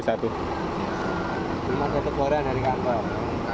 cuma tetep waran dari kantor